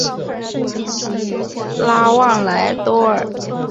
拉旺莱多尔。